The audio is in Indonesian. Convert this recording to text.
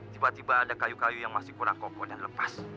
tiba tiba ada kayu kayu yang masih kurang kokoh dan lepas